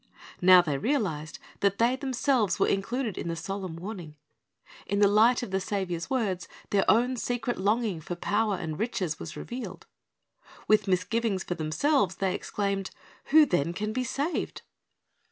Now they realized that they themselves were included in the solemn warning. In the light of the Saviour's words, their own secret longing for power and riches was revealed. With misgivings for themselves they exclaimed, "Who then can be saved?"